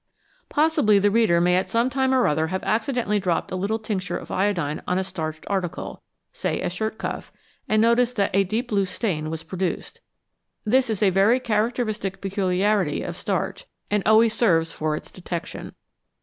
Possibly the reader may at some time or other have accidentally dropped a little tincture of iodine on a starched article, say a shirt cuff, and noticed that a deep blue stain was produced. This is a very characteristic peculiarity of starch, and always serves for its detection.